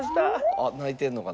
あっ泣いてんのかな？